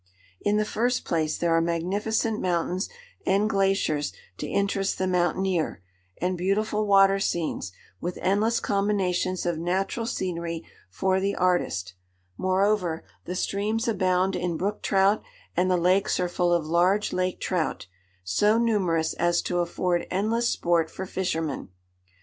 In the first place there are magnificent mountains and glaciers to interest the mountaineer, and beautiful water scenes, with endless combinations of natural scenery for the artist; moreover, the streams abound in brook trout and the lakes are full of large lake trout, so numerous as to afford endless sport for fishermen.